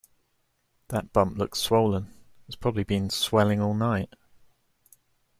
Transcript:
That bump looks swollen. It's probably been swelling all night.